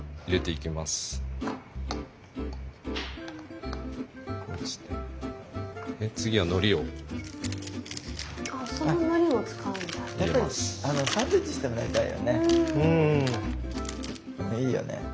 いいよね。